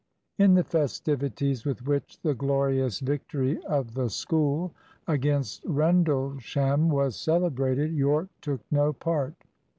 In the festivities with which the glorious victory of the School against Rendlesham was celebrated Yorke took no part.